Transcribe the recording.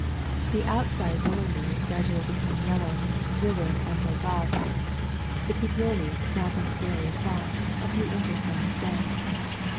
The out side lower leaves gradually become yellow, wither, and break off, the petiole snapping squarely across, a few inches from the stem.